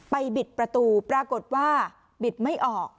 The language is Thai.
บิดประตูปรากฏว่าบิดไม่ออก